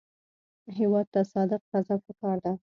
هېواد ته صادق قضا پکار ده